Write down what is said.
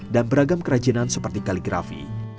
dan beragam kerajinan seperti kaligrafi